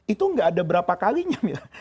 itu gak ada berapa kalinya